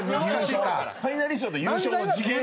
ファイナリストと優勝の次元は。